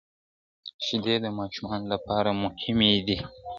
شیدې د ماشومانو لپاره مهمې دي.